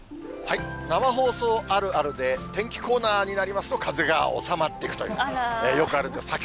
生放送あるあるで、天気コーナーになりますと風が収まってくるという、よくあるんです。